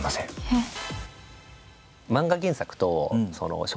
えっ？